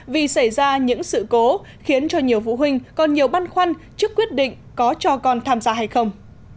vì xảy ra những sự cố khiến cho nhiều phụ huynh còn nhiều băn khoăn trước quyết định có cho con tham gia hay không